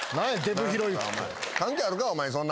関係あるかお前に。